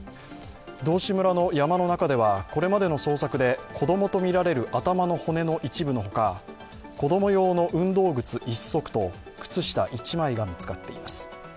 道志村の山の中ではこれまでの捜索で子供とみられる頭の骨の一部の他子供用の運動靴１足と靴下１枚が見つかっています。